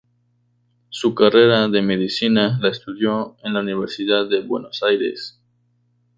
Su carrera de medicina la estudió en la Universidad de Buenos Aires.